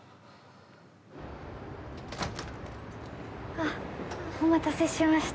あっお待たせしました